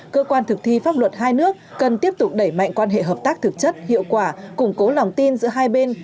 cơ quan thực thi pháp luật hai nước cần tiếp tục đẩy mạnh quan hệ hợp tác thực chất hiệu quả củng cố lòng tin giữa hai bên